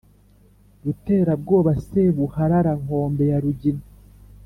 ruterabwoba, sebuharara nkombe ya rugina